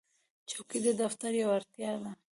چوکۍ د دفتر یوه اړتیا ده.